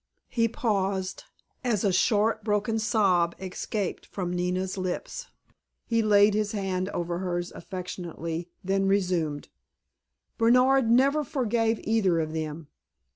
He paused, as a short, broken sob escaped from Nina's lips. He laid his hand over hers affectionately, then resumed: "Bernard never forgave either of them.